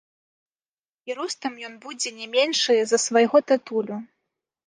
І ростам ён будзе не меншы за свайго татулю.